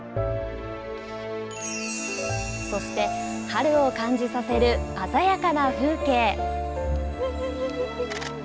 そして春を感じさせる鮮やかな風景。